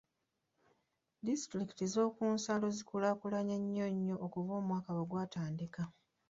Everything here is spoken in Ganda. Disitulikiti z'okunsalo zi kulaakulanye nnyo nnyo okuva omwaka lwe gwatandika.